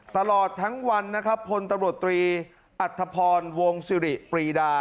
ตลอดทั้งวันนะครับพลตำรวจตรีอัธพรวงสิริปรีดา